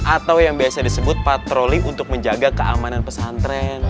atau yang biasa disebut patroli untuk menjaga keamanan pesantren